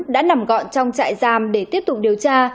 đã nằm gọn trong trại giam để tiếp tục điều tra